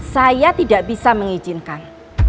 saya tidak bisa mengizinkan